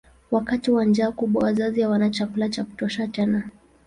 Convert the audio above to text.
Wakati wa njaa kubwa wazazi hawana chakula cha kutosha tena.